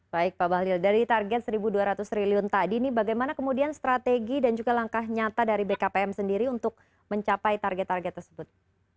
baik pak bahlil dari target rp satu dua ratus triliun tadi ini bagaimana kemudian strategi dan juga langkah nyata dari bkpm sendiri untuk mencapai target target tersebut